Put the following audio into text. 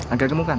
angka gemuk kan